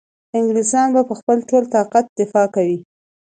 انګلیسیان به په خپل ټول طاقت دفاع کوي.